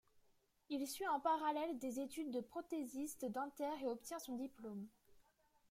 Il suit en parallèle des études de prothésiste dentaire et obtient son diplôme.